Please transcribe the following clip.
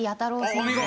お見事！